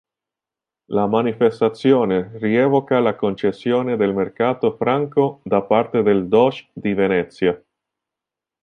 La manifestazione rievoca la concessione del mercato franco da parte del Doge di Venezia.